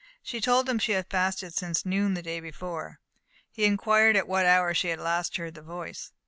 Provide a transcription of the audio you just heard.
She told him she had fasted since noon the day before. He inquired at what hour she had last heard the voice.